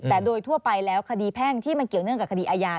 แต่โดยทั่วไปแล้วคดีแพ่งที่มันเกี่ยวเนื่องกับคดีอาญา